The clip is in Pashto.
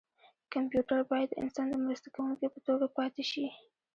کمپیوټر باید د انسان د مرسته کوونکي په توګه پاتې شي.